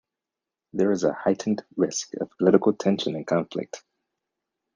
There is a heightened risk of political tension and conflict.